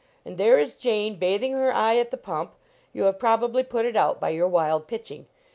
And there is Jane, bathing her eye at the pump. You have probably put it out by your wild pitching.